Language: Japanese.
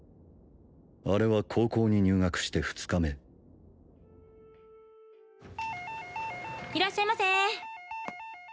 あれは高校に入学して２日目・いらっしゃいませ